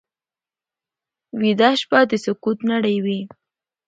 ویده شپه د سکوت نړۍ وي